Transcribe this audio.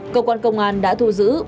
cơ quan công an đã thu giữ